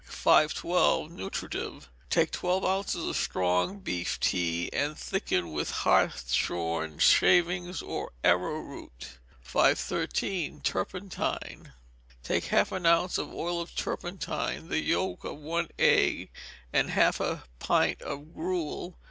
512. Nutritive. Take twelve ounces of strong beef tea, and thicken with hartshorn shavings or arrowroot. 513. Turpentine. Take half an ounce of oil of turpentine, the yolk of one egg, and half a pint of gruel.